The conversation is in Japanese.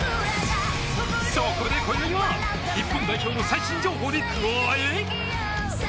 そこで、こよいは日本代表の最新情報に加え。